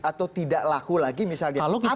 atau tidak laku lagi misalnya